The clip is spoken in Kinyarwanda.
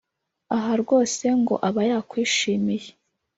aha rwose ngo aba yakwishimiye